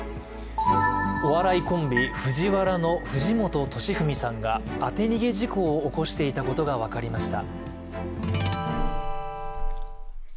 お笑いコンビ、ＦＵＪＩＷＡＲＡの藤本敏史さんが当て逃げ事故を起こしていたことが分かりました。